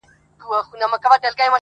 o اصيل ته اشارت، کم اصل ته لغت٫